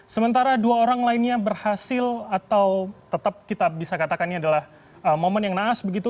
sementara dua orang lainnya berhasil atau tetap kita bisa katakan ini adalah momen yang naas begitu